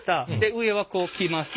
上はこうきます。